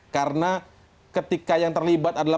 karena ketika yang terlibat adalah